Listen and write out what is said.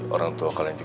orang juga mondeg